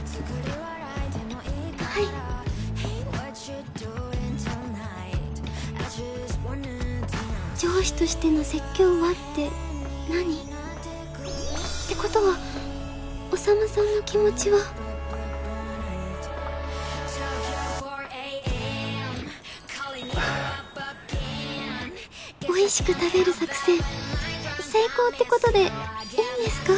はい上司としての説教はって何？ってことは宰さんの気持ちはおいしく食べる作戦成功ってことでいいんですか？